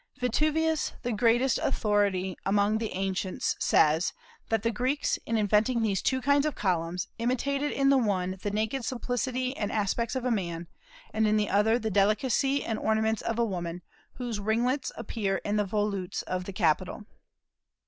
Vitruvius, the greatest authority among the ancients, says that "the Greeks, in inventing these two kinds of columns, imitated in the one the naked simplicity and aspects of a man, and in the other the delicacy and ornaments of a woman, whose ringlets appear in the volutes of the capital."